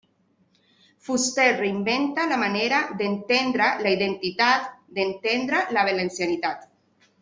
Fuster reinventa la manera d'entendre la identitat, d'entendre la valencianitat.